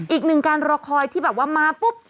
อีกหนึ่งการรอคอยที่แบบว่ามาปุ๊บ